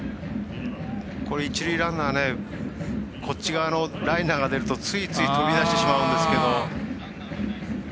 これ、一塁ランナーこっち側のライナーが出るとついつい飛び出してしまうんですけど。